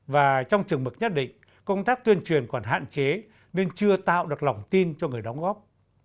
và trong trường mực nhất định công tác tuyên truyền còn hạn chế nên chưa tạo được lỏng tin cho người đóng góp